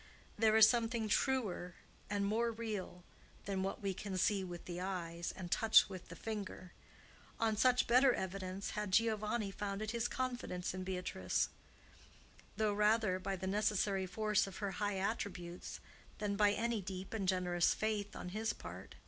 There is something truer and more real than what we can see with the eyes and touch with the finger. On such better evidence had Giovanni founded his confidence in Beatrice, though rather by the necessary force of her high attributes than by any deep and generous faith on his part.